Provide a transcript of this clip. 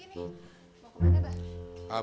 mau kemana bang